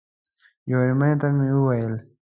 یوه مېرمنې ته مې وویل.